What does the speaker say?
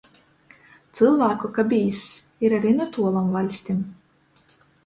Cylvāku ka bīzs, ir ari nu tuolom vaļstim.